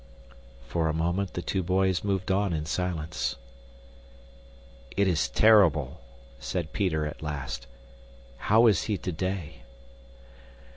For a moment the two boys moved on in silence. "It is terrible," said Peter at last. "How is he today?"